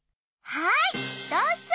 はいどうぞ。